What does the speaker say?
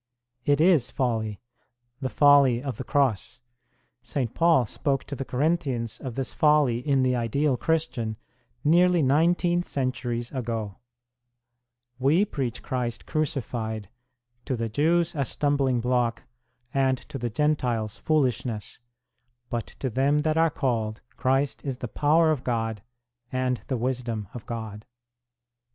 It is folly, the folly of the Cross. St. Paul spoke to the Corinthians of this 1 Gal. ii. 19, 20. 2 Gal. vi. 14. 3 Gal. ii. 20. l6 INTRODUCTION folly in the ideal Christian nearly nineteen cen turies ago : We preach Christ crucified, to the Jews a stumbling block, and to the Gentiles foolishness; but to them that arc called ... Christ is the power of God and the wisdom of God.